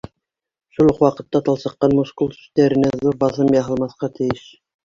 Шул уҡ ваҡытта талсыҡҡан мускул сүстәренә ҙур баҫым яһалмаҫҡа тейеш.